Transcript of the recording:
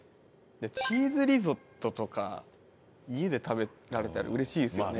チーズリゾットとか家で食べられたら嬉しいですよね